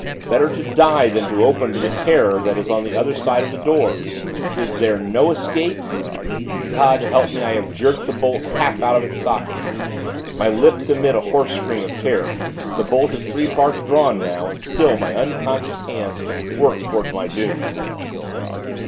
_ Better to die, than open to the Terror, that is on the other side of the door. Is there no escape ...? God help me, I have jerked the bolt half out of its socket! My lips emit a hoarse scream of terror, the bolt is three parts drawn, now, and still my unconscious hands work toward my doom.